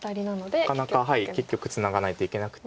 なかなか結局ツナがないといけなくて。